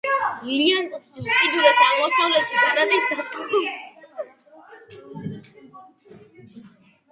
ლიანოსი უკიდურეს აღმოსავლეთში გადადის დაჭაობებულ სანაპიროსა და ორინოკოს დელტაში.